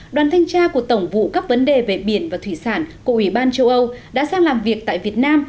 đoàn thanh tra của tổng vụ cấp vấn đề về biển và thủy sản của ủy ban châu âu đã sang làm việc tại việt nam